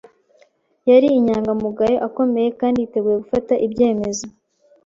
Yari inyangamugayo, akomeye, kandi yiteguye gufata ibyemezo.